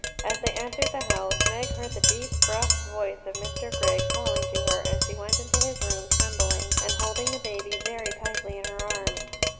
As they entered the house Meg heard the deep gruff voice of Mr Grigg calling to her, and she went into his room, trembling, and holding the baby very tightly in her arms.